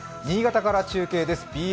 新潟から中継です。